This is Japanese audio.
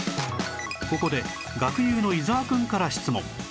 ここで学友の伊沢くんから質問